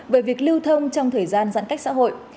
về việc lưu thông trong thời gian giãn cách xã hội